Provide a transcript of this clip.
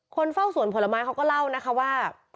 เฝ้าสวนผลไม้เขาก็เล่านะคะว่า